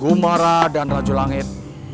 gumara dan rajulangit